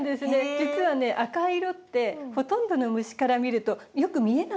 実はね赤い色ってほとんどの虫から見るとよく見えない色なんです。